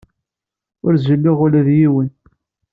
Ur zelluɣ ula d yiwen.